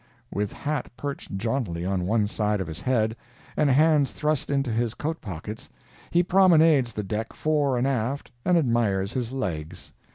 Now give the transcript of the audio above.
With hat perched jauntily on one side of his head, and hands thrust into his coat pockets, he promenades the deck fore and aft, and admires his legs.